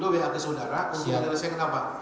wkd saudara menyelesaikan apa